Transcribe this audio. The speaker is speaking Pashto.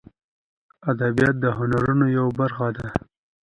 ادبیات د هنرونو یوه برخه ده